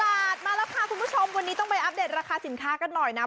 บาทมาแล้วค่ะคุณผู้ชมวันนี้ต้องไปอัปเดตราคาสินค้ากันหน่อยนะ